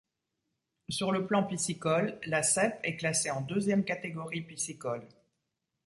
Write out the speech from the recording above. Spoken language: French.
Sur le plan piscicole, la Cèpe est classée en deuxième catégorie piscicole.